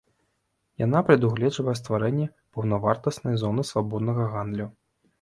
Яна прадугледжвае стварэнне паўнавартаснай зоны свабоднага гандлю.